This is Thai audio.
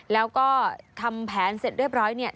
แล้วก็ทำแผนเสร็จเรียบร้อยเนี่ย